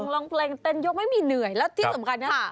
ร้องเพลงเต้นยกไม่มีเหนื่อยแล้วที่สำคัญเนี่ย